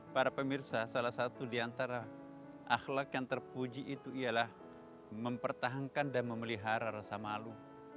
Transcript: para pemirsa salah satu di antara akhlak yang terpuji itu ialah mempertahankan dan memelihara rasa malu